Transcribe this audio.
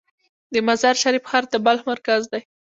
د مزار شریف ښار د بلخ مرکز دی